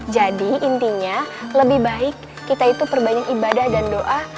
jadi intinya lebih baik kita itu perbanyak ibadah dan doa